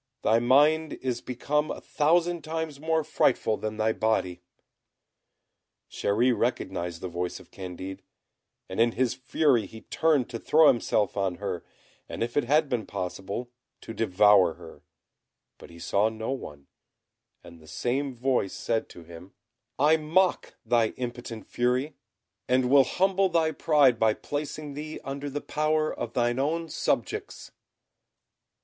Thy mind is become a thousand times more frightful than thy body." Chéri recognised the voice of Candid, and in his fury he turned to throw himself on her, and, if it had been possible, to devour her; but he saw no one, and the same voice said to him, "I mock thy impotent fury, and will humble thy pride by placing thee under the power of thine own subjects."